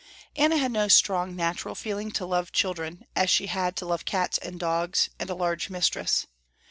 Anna had no strong natural feeling to love children, as she had to love cats and dogs, and a large mistress.